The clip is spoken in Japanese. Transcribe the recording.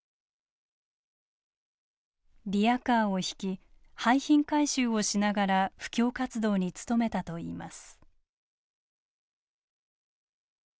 リヤカーを引き廃品回収をしながら布教活動に努めたといいます。